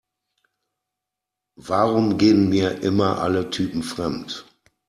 Warum gehen mir immer alle Typen fremd?